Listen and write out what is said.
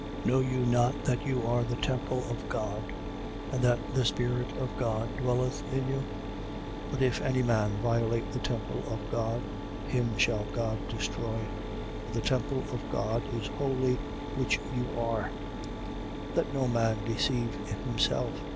3:16. Know you not that you are the temple of God and that the Spirit of God dwelleth in you? 3:17. But if any man violate the temple of God, him shall God destroy. For the temple of God is holy, which you are. 3:18. Let no man deceive himself.